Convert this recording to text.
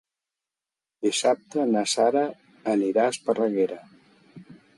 Dissabte na Sara anirà a Esparreguera.